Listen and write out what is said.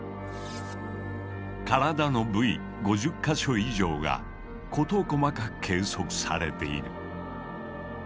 体の部位５０か所以上が事細かく計測されている。